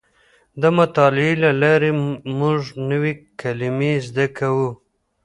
د مطالعې له لارې موږ نوې کلمې زده کوو.